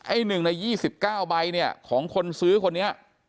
๑ใน๒๙ใบเนี่ยของคนซื้อคนนี้